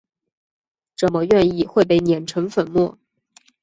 怎么愿意会被碾成粉末？